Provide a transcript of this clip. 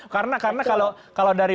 karena kalau dari